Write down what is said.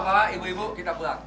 bapak ibu ibu kita pulang